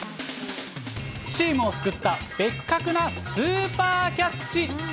チームを救ったベッカクなスーパーキャッチ。